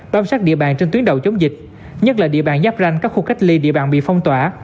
bám sát địa bàn trên tuyến đầu chống dịch nhất là địa bàn giáp ranh các khu cách ly địa bàn bị phong tỏa